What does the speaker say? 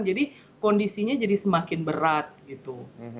jadi kondisinya jadi semakin berat gitu